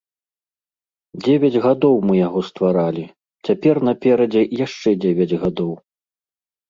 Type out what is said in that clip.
Дзевяць гадоў мы яго стваралі, цяпер наперадзе яшчэ дзевяць гадоў.